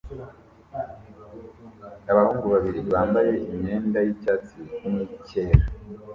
Abahungu babiri bambaye imyenda yicyatsi nicyera